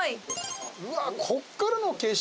うわこっからの景色